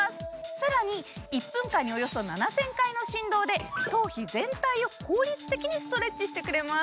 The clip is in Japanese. さらに１分間におよそ７０００回の振動で頭皮全体を効率的にストレッチしてくれます。